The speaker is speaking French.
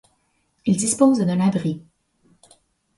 Il dispose d'un abri.